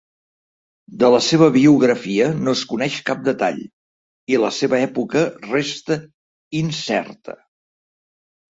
De la seva biografia no es coneix cap detall i la seva època resta incerta.